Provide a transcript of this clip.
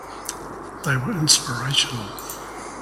They were inspirational.